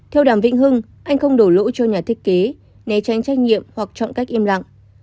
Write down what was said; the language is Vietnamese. theo đàm vĩnh hưng anh không đổ lỗi cho nhà thiết kế né tránh trách nhiệm hoặc chọn cách im lặng